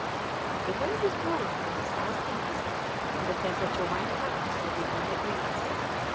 The wind was blowing from the south east, and the temperature went up to thirty two degrees.